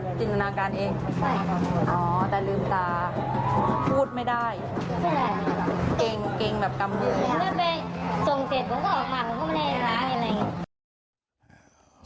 พูดไม่ได้เกร็งแบบกำมือไม่ไปส่งเสร็จก็ออกมามันก็ไม่ได้ร้ายอะไรอย่างนี้